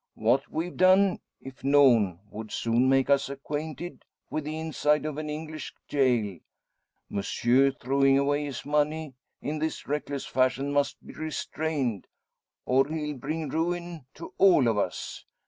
What we've done, if known, would soon make us acquainted with the inside of an English gaol. Monsieur, throwing away his money in this reckless fashion must be restrained, or he'll bring ruin to all of us.